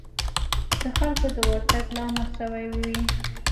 د خلکو د ورتګ لامل شوې وي.